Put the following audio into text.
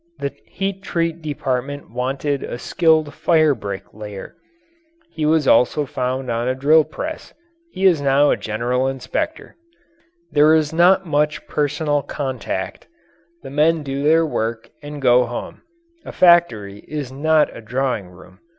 The Heat Treat department wanted a skilled firebrick layer. He also was found on a drill press he is now a general inspector. There is not much personal contact the men do their work and go home a factory is not a drawing room.